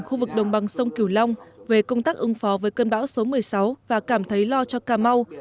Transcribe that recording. khu vực đồng bằng sông kiều long về công tác ứng phó với cơn bão số một mươi sáu và cảm thấy lo cho cà mau